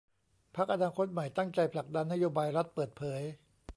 พรรคอนาคตใหม่ตั้งใจผลักดันนโยบายรัฐเปิดเผย